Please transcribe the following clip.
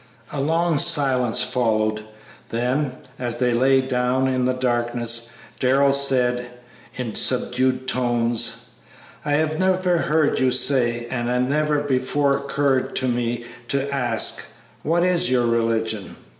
A long silence followed; then, as they lay down in the darkness, Darrell said, in subdued tones, "I have never heard you say, and it never before occurred to me to ask, what was your religion."